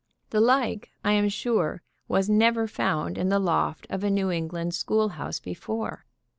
The like, I am sure, was never found in the loft of a New England sehoolhouse before.